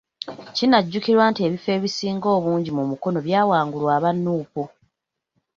Kinajjukirwa nti ebifo ebisinga obungi mu Mukono byawangulwa aba Nuupu.